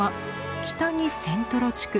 北にセントロ地区。